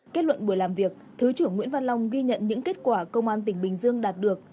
kết luận buổi làm việc thứ trưởng nguyễn văn long ghi nhận những kết quả công an tỉnh bình dương đạt được